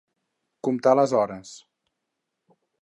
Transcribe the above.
Comptar les hores.